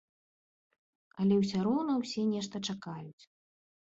Але уся роўна ўсе нешта чакаюць.